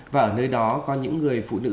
và ở nơi đó có những người phụ nữ